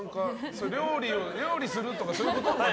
料理するとかそういうこと？